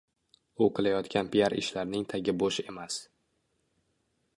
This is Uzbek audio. U qilayotgan piar ishlarning tagi bo‘sh emas.